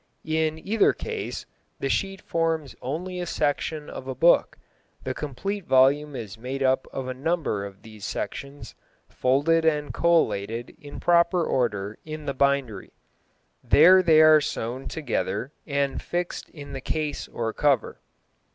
In either case the sheet forms only a section of a book; the complete volume is made up of a number of these sections, folded and collated in proper order in the bindery. There they are sewn together and fixed in the case or cover.